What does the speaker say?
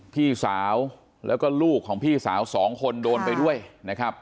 พี่สาวแล้วก็ลูกของพี่สาวสองคนโดนไปด้วยนะครับ